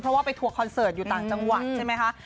เพราะว่าไปทัวร์คอนเสิร์ตอยู่ต่างจังหวัดใช่ไหมคะ